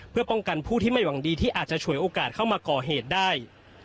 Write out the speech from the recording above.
เพื่อป้องกันผู้ที่ไม่หวังดีที่อาจจะฉวยโอกาสเข้ามาก่อเหตุได้